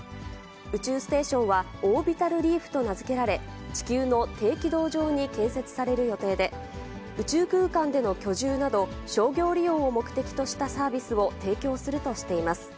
宇宙ステーションはオービタル・リーフと名付けられ、地球の低軌道上に建設される予定で、宇宙空間での居住など、商業利用を目的としたサービスを提供するとしています。